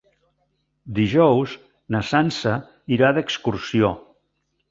Dijous na Sança irà d'excursió.